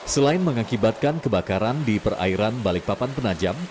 selain mengakibatkan kebakaran di perairan balikpapan penajam